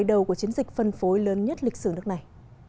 đây là lần đầu của chiến dịch phân phối lớn nhất lịch sử nước này